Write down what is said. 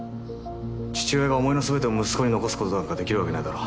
父親が思いの全てを息子に残す事なんかできるわけないだろ。